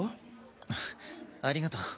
あありがとう。